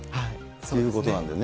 そういうことなんだね。